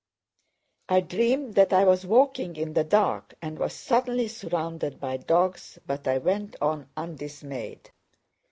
I dreamed that I was walking in the dark and was suddenly surrounded by dogs, but I went on undismayed.